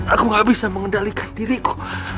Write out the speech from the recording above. aku gak bisa mengendalikan diriku